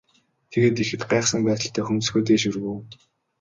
Тэгээд ихэд гайхсан байдалтай хөмсгөө дээш өргөв.